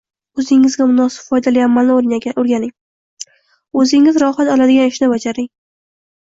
O‘zingizga munosib foydali amalni o‘rganing, o‘zingiz rohat oladigan ishni bajaring.